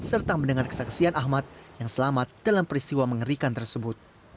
serta mendengar kesaksian ahmad yang selamat dalam peristiwa mengerikan tersebut